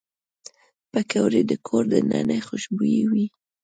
پکورې د کور دننه خوشبويي وي